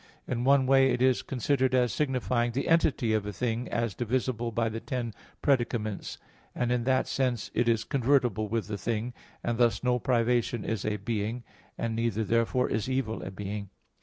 In one way it is considered as signifying the entity of a thing, as divisible by the ten "predicaments"; and in that sense it is convertible with thing, and thus no privation is a being, and neither therefore is evil a being.